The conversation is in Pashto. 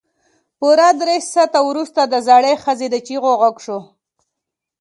پوره درې ساعته وروسته د زړې ښځې د چيغو غږ شو.